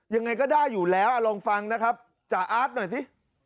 ยังไงก็ได้อยู่แล้วลองฟังนะครับจ่าอาร์ตหน่อยสิ